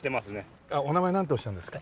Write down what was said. お名前なんとおっしゃるんですか？